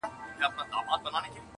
ازل مي دي په وینو کي نغمې راته کرلي!.